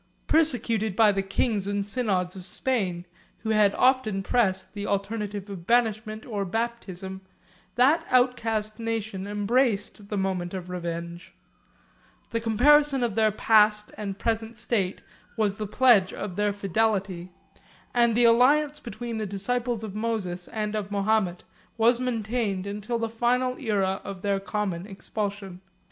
Persecuted by the kings and synods of Spain, who had often pressed the alternative of banishment or baptism, that outcast nation embraced the moment of revenge: the comparison of their past and present state was the pledge of their fidelity; and the alliance between the disciples of Moses and those of Mahomet, was maintained till the final era of their common expulsion.